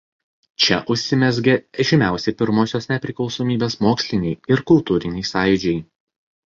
Čia užsimezgė žymiausi pirmosios nepriklausomybės moksliniai ir kultūriniai sąjūdžiai.